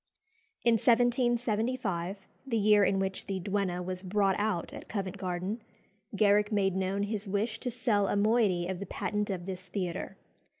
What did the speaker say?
In 1775, the year in which "The Duenna" was brought out at Covent Garden, Garrick made known his wish to sell a moiety of the patent of this theatre.